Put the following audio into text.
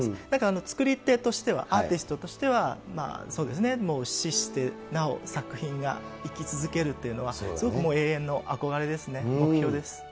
だから、作り手としては、アーティストとしては、そうですね、死してなお作品が生き続けるというのは、すごく永遠の憧れですね、目標です。